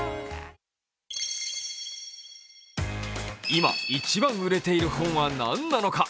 今、一番売れている本はなんなのか。